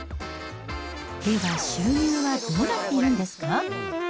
では、収入はどうなっているんですか？